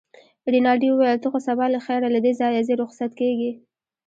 رینالډي وویل: ته خو سبا له خیره له دې ځایه ځې، رخصت کېږې.